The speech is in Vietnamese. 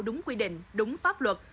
đúng quy định đúng pháp luật